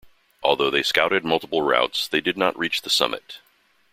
Although they scouted multiple routes, they did not reach the summit.